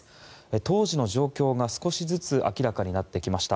当時の状況が少しずつ明らかになってきました。